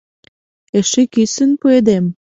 Эше кӱсын пуэдем...